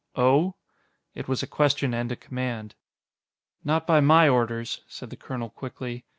"Oh?" It was a question and a command. "Not by my orders," said the colonel quickly.